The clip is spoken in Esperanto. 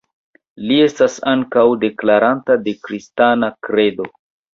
Li estas ankaŭ deklaranto de kristana kredo.